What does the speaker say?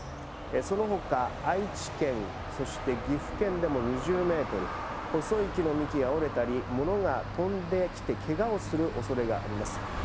そのほか愛知県そして岐阜県でも２０メートル、細い木の幹が折れたり物が飛んできてけがをするおそれがあります。